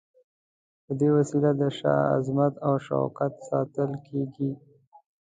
په دې وسیله د شاه عظمت او شوکت ساتل کیږي.